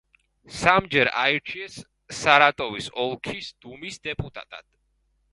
სამჯერ აირჩიეს სარატოვის ოლქის დუმის დეპუტატად.